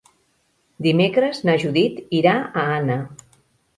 Dimecres na Judit irà a Anna.